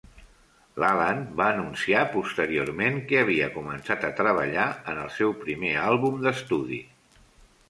L"Allan va anunciar posteriorment que havia començat a treballar en el seu primer àlbum d"estudi.